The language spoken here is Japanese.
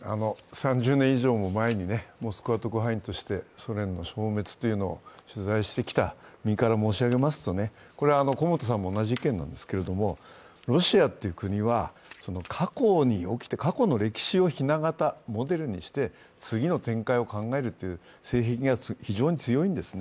３０年以上も前にモスクワ特派員としてソ連の消滅を取材してきた身から申し上げますとこれは古本さんも同じ意見ですけれども、ロシアという国は過去に起きた、過去の歴史をひな形モデルにして、次の展開を考えるという政治が非常に強いんですね。